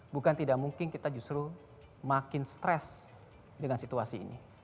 bukan tidak mungkin kita justru makin stres dengan situasi ini